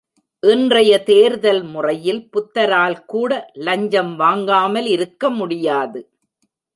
இன்றைய தேர்தல் முறையில் புத்தரால் கூட லஞ்சம் வாங்காமல் இருக்கமுடியாது.